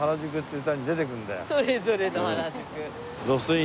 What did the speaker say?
『それぞれの原宿』。